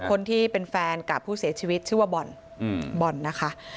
คนที่เป็นแฟนกับผู้เสียชีวิตชื่อว่าบอลบอลนะคะ